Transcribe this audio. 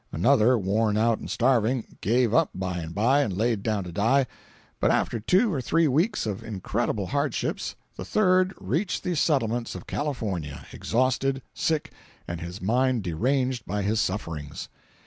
Another, worn out and starving, gave up by and by, and laid down to die, but after two or three weeks of incredible hardships, the third reached the settlements of California exhausted, sick, and his mind deranged by his sufferings.